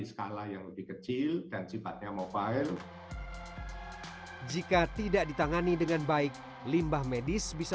skala yang lebih kecil dan sifatnya mobile jika tidak ditangani dengan baik limbah medis bisa